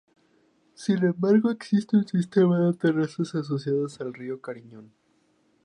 Sin embargo existe un sistema de terrazas asociadas al río Carrión.